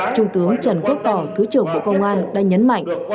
trung tướng trần quốc tỏ thứ trưởng bộ công an đã nhấn mạnh